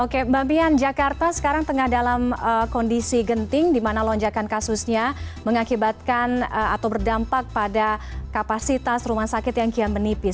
oke mbak mian jakarta sekarang tengah dalam kondisi genting di mana lonjakan kasusnya mengakibatkan atau berdampak pada kapasitas rumah sakit yang kian menipis